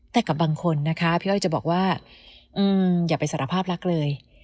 แต่กับบางคนนะคะพี่อ้อยจะบอกว่าอย่าไปสารภาพรักเลย